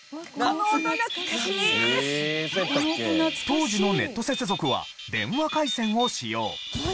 当時のネット接続は電話回線を使用。